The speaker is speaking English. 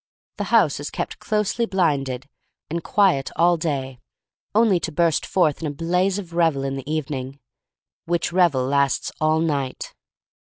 The house is kept closely blinded and quiet all day, only to burst forth in a blaze of revel in the evening, which revel lasts all night.